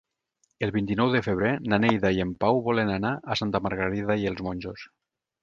El vint-i-nou de febrer na Neida i en Pau volen anar a Santa Margarida i els Monjos.